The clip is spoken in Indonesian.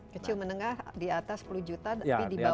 kecil menengah di atas sepuluh juta tapi di bawah